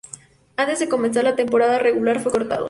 Antes de comenzar la temporada regular, fue cortado.